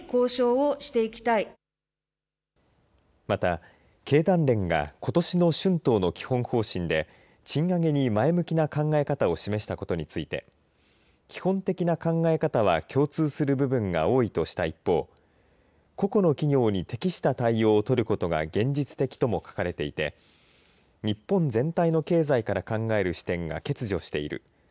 また、経団連がことしの春闘の基本方針で賃上げに前向きな考え方を示したことについて基本的な考え方は共通する部分が多いとした一方個々の企業に適した対応を取ることが現実的とも書かれていて日本全体の経済から考える視点が欠如している。